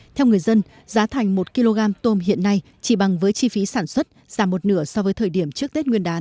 theo người dân giá thành một kg tôm hiện nay chỉ bằng với chi phí sản xuất giảm một nửa so với thời điểm trước tết nguyên đán